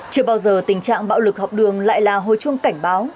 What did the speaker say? chưa bao giờ tình trạng bạo lực học đường lại là hồi chuông cảnh báo